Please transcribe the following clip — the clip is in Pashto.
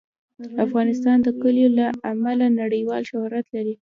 افغانستان د کلیو له امله نړیوال شهرت لري.